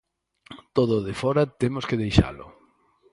Todo o de fóra temos que deixalo.